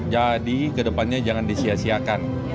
jadi ke depannya jangan disiasiakan